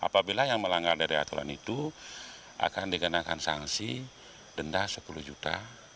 apabila yang melanggar dari aturan itu akan dikenakan sanksi denda sepuluh juta